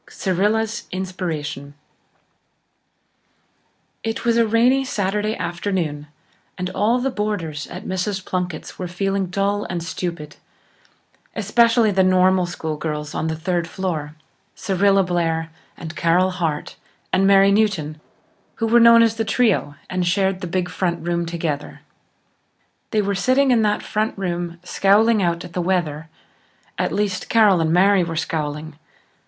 Cyrilla's Inspiration It was a rainy Saturday afternoon and all the boarders at Mrs. Plunkett's were feeling dull and stupid, especially the Normal School girls on the third floor, Cyrilla Blair and Carol Hart and Mary Newton, who were known as The Trio, and shared the big front room together. They were sitting in that front room, scowling out at the weather. At least, Carol and Mary were scowling.